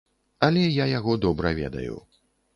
Але я яго добра ведаю.